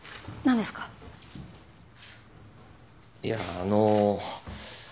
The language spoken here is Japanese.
いやあの。